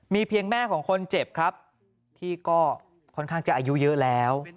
เพียงแม่ของคนเจ็บครับที่ก็ค่อนข้างจะอายุเยอะแล้ว